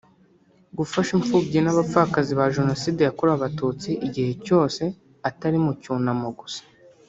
gufasha imfubyi n’abapfakazi ba Jenoside yakorewe Abatutsi igihe cyose atari mu cyunamo gusa